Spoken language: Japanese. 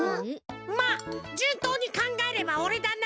まっじゅんとうにかんがえればおれだな。